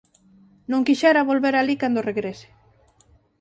Non quixera volver alí cando regrese.